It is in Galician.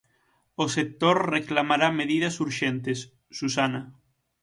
O sector reclamará medidas urxentes, Susana.